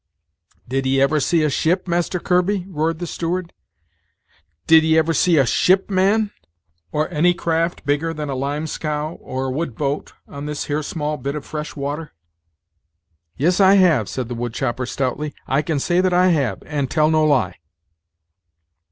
"Did'ee ever see a ship, Master Kirby?" roared the steward, "did'ee ever see a ship, man? or any craft bigger than a lime scow, or a wood boat, on this here small bit of fresh water?" "Yes, I have," said the wood chopper stoutly; "I can say that I have, and tell no lie."